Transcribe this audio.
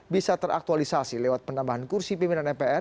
bisa teraktualisasi lewat penambahan kursi pimpinan mpr